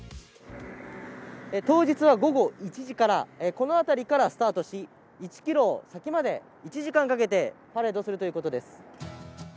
当日は午後１時から、この辺りからスタートして１ｋｍ先まで１時間かけてパレードするということです。